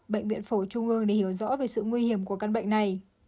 bệnh viện phổi trung ương để hiểu rõ về sự nguy hiểm của căn bệnh này